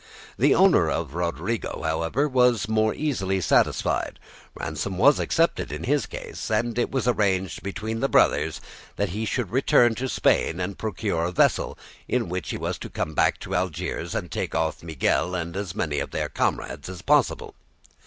The owner of Rodrigo, however, was more easily satisfied; ransom was accepted in his case, and it was arranged between the brothers that he should return to Spain and procure a vessel in which he was to come back to Algiers and take off Miguel and as many of their comrades as possible.